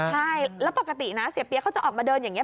ใช่แล้วปกตินะเสียเปี๊ยกเขาจะออกมาเดินอย่างนี้